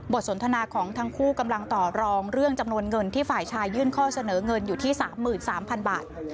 สนทนาของทั้งคู่กำลังต่อรองเรื่องจำนวนเงินที่ฝ่ายชายยื่นข้อเสนอเงินอยู่ที่๓๓๐๐๐บาท